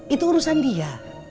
itu urusan dia